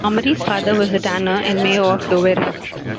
Mummery's father was a tanner and mayor of Dover.